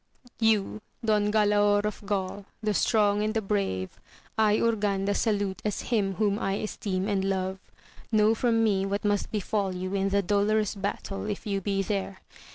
You, Don Galaor of Gaul, the strong and the brave, I, Urganda, salute as him whom I esteem and love ; know from me what must befall you in the dolorous battle, if you be there.